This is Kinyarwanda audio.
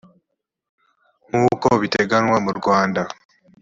nk uko biteganywa mu rwanda